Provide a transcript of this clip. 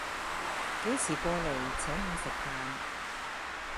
幾時過來請我食飯